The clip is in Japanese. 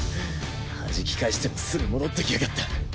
弾き返してもすぐ戻ってきやがった。